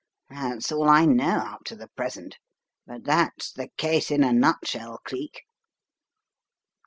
That's all I know up to the present. But that's the case in a nutshell, Cleek."